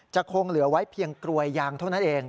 คงเหลือไว้เพียงกรวยยางเท่านั้นเอง